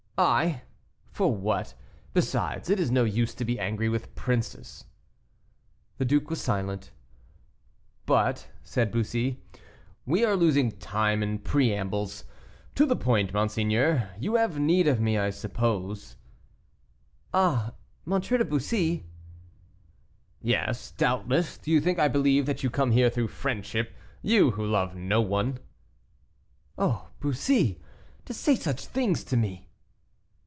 "I! for what? besides, it is no use to be angry with princes." The duke was silent. "But," said Bussy, "we are losing time in preambles; to the point, monseigneur. You have need of me, I suppose?" "Ah, M. de Bussy!" "Yes, doubtless; do you think I believe that you come here through friendship; you, who love no one?" "Oh, Bussy, to say such things to me!"